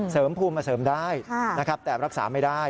เสริมภูมิมาเสริมได้นะครับแต่รักษาไม่ได้